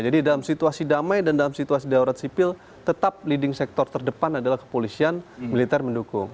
jadi dalam situasi damai dan dalam situasi daurat sipil tetap leading sektor terdepan adalah kepolisian militer mendukung